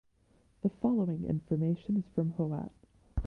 The following information is from Howat.